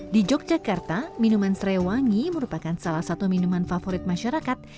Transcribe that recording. di yogyakarta minuman seraiwangi merupakan salah satu minuman favorit masyarakat